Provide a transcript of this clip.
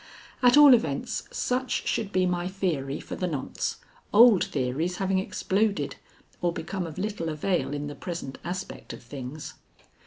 At all events, such should be my theory for the nonce, old theories having exploded or become of little avail in the present aspect of things.